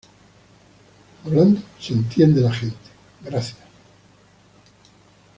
hablando se entiende la gente. gracias.